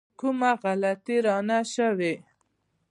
کومه غلطي رانه شوې.